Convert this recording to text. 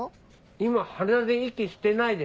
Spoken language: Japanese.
今鼻で息してないでしょ。